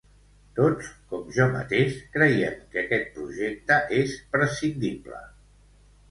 Tots, com jo mateix, creiem que aquest projecte és prescindible.